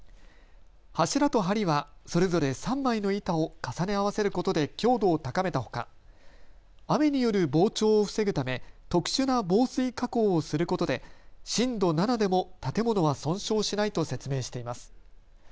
柱と、はりはそれぞれ３枚の板を重ね合わせることで強度を高めたほか雨による膨張を防ぐため特殊な防水加工をすることで震度７でも建物は損傷しないと説明しています。